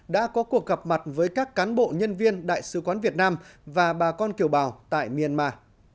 đã có cuộc gặp mặt với các cán bộ nhân viên đại sứ quán việt nam và bà con kiều bào tại myanmar